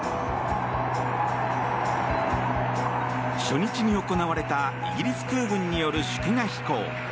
初日に行われたイギリス空軍による祝賀飛行。